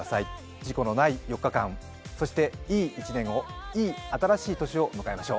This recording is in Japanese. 事故のない４日間、そしていい一年を、新しい年を迎えましょう。